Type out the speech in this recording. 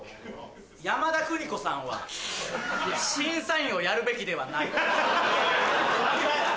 山田邦子さんは審査員をやるべきではない。